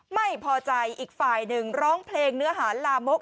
ไม่พอใจอีกฝ่ายหนึ่งร้องเพลงเนื้อหาลามก